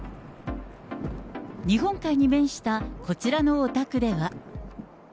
日本海に面したこちらのお宅では。